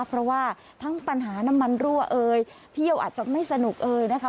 เพราะว่าทั้งปัญหาน้ำมันรั่วเอยเที่ยวอาจจะไม่สนุกเอยนะคะ